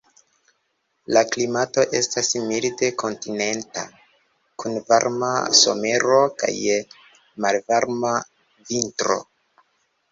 La klimato estas milde kontinenta, kun varmaj someroj kaj malvarmaj vintroj.